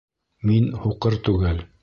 — Мин һуҡыр түгел.